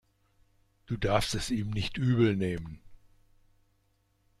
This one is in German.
Du darfst es ihm nicht übel nehmen.